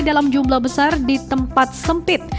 dalam jumlah besar di tempat sempit